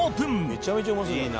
「めちゃめちゃうまそうじゃん」